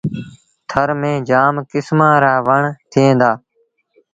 ٿر ميݩ جآم ڪسمآݩ رآ وڻ ٿئيٚݩ دآ۔